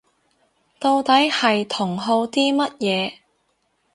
到底係同好啲乜嘢